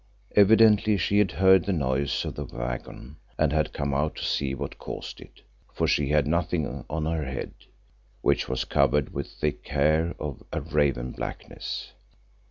Evidently she had heard the noise of the waggon and had come out to see what caused it, for she had nothing on her head, which was covered with thick hair of a raven blackness.